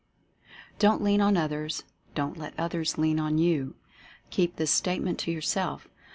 don't lean on others — don't let others lean ON YOU. Keep this Statement to yourself.